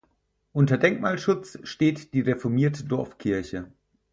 Unter Denkmalschutz steht die reformierte Dorfkirche.